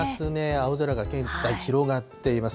青空が広がっています。